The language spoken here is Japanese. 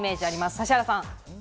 指原さん。